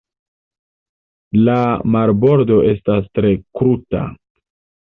La marbordo estas tre kruta.